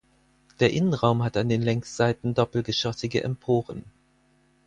Der Innenraum hat an den Längsseiten doppelgeschossige Emporen.